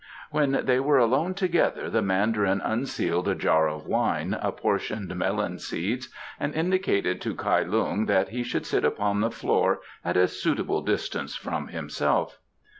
When they were alone together the Mandarin unsealed a jar of wine, apportioned melon seeds, and indicated to Kai Lung that he should sit upon the floor at a suitable distance from himself.